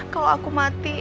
kalau aku mati